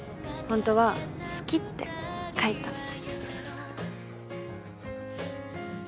ホントは好きって書いた。